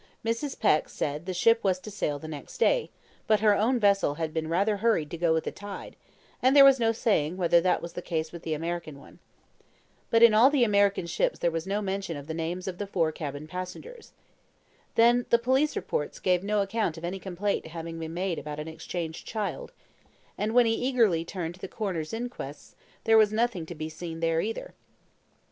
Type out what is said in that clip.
Mrs. Peck said the ship was to sail the next day; but her own vessel had been rather hurried to go with the tide, and there was no saying whether that was the case with the American one. But in all the American ships there was no mention of the names of the fore cabin passengers. Then the police reports gave no account of any complaint having been made about an exchanged child, and when he eagerly turned to the coroner's inquests there was nothing to be seen there either.